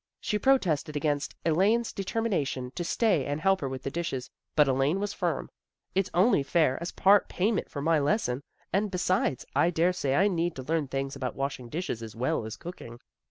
She protested against Elaine's determination to stay and help her with the dishes, but Elaine was firm. " It's only fair, as part payment for my lesson. And, besides, I dare say I need to learn things about washing dishes as well as cooking."